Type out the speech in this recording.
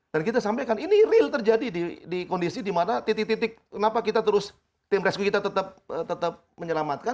dan kita sampaikan ini real terjadi di kondisi dimana titik titik kenapa kita terus tim resko kita tetap menyelamatkan